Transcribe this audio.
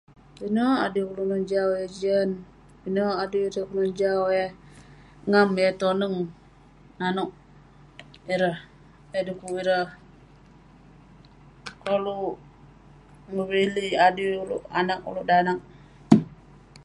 pinek adui kelunan jau yah jian, pinek adui ireh kelunan jau yah ngam yah toneng, nanouk ireh..yah du'kuk ireh..koluk memilik adui ulouk danag..